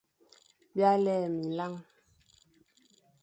B îa lè minlañ.